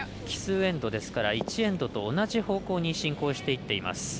奇数エンドですから、１エンドと同じ方向に進行していっています